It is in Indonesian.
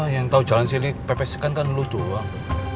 yang tau jalan sini pepes kan kan lo doang